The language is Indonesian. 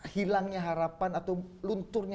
hilangnya harapan atau lunturnya